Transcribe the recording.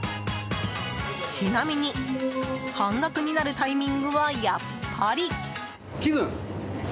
ちなみに半額になるタイミングはやっぱり。